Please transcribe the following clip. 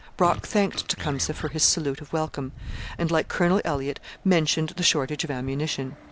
Brock thanked Tecumseh for his salute of welcome, and like Colonel Elliott mentioned the shortage of ammunition.